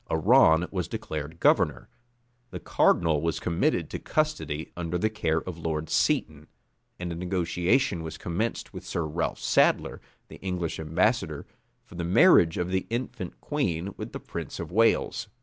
Arran was declared governor; the cardinal was committed to custody under the care of Lord Seton; and a negotiation was commenced with Sir Ralph Sadler, the English ambassador, for the marriage of the infant queen with the prince of Wales.